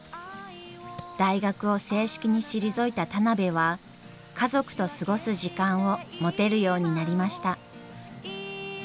大学を正式に退いた田邊は家族と過ごす時間を持てるようになりました。